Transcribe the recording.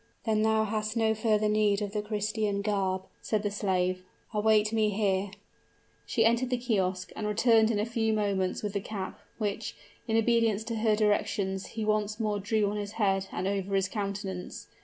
"Then thou hast no further need of the Christian garb," said the slave. "Await me here." She entered the kiosk, and returned in a few moments with the cap, which, in obedience to her directions, he once more drew on his head and over his countenance.